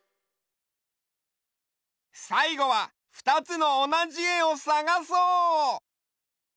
さいごはふたつのおなじえをさがそう！